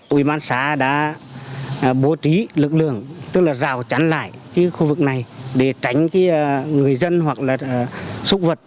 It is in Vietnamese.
quỹ bán xã đã bố trí lực lượng tức là rào chắn lại khu vực này để tránh người dân hoặc là súc vật